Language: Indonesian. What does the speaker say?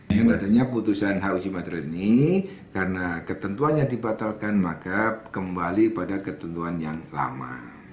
yang adanya putusan h u g material ini karena ketentuannya dibatalkan maka kembali pada ketentuan yang lama